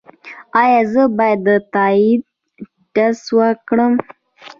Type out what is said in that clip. ایا زه باید د تایرايډ ټسټ وکړم؟